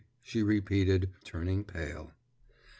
she repeated, turning pale.